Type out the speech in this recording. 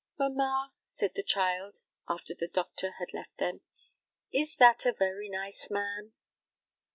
"Mamma," said the child, after the doctor had left them, "is that a very nice man?"